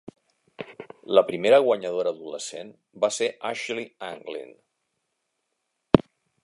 La primera guanyadora adolescent va ser Ashley Anglin.